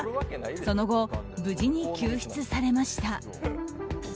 その後、無事に救出されました。